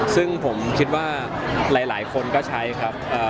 ซึ่งผมคิดว่าหลายคนก็ใช้ครับ